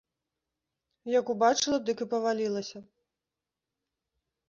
Як убачыла, дык і павалілася.